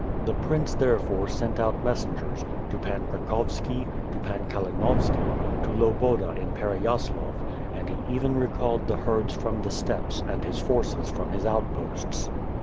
The Prince therefore sent out messengers; to Pan Krak ovski; to Pan Kalinovski; to Loboda in Percy aslav; and he even recalled the herds from the steppes, and his forces from his outposts.